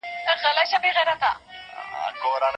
ځینې خلک ماښام ډېر فشار احساسوي.